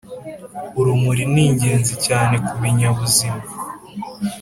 urumuri ni ingenzi cyane ku binyabuzima